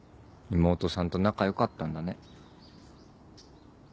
妹さんと仲良かったんだね。